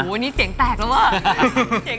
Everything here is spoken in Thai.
อุพนี้เสียงแตกแล้วเว้อ